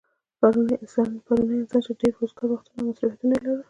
پرونی انسان چې ډېر وزگار وختونه او مصروفيتونه يې لرل